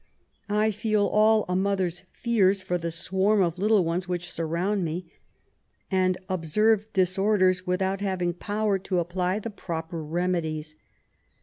I feel all a mother's fears for the swarm of little ones which surround me, and observe disorders, without having power to apply the proper remedies.